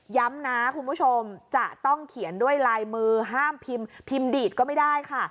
ย้ำนะคุณผู้ชมจะต้องเขียนด้วยลายมือห้ามพิมพ์พิมพ์ดีดก็ไม่ได้ค่ะ